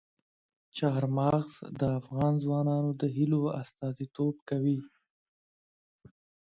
چار مغز د افغان ځوانانو د هیلو استازیتوب کوي.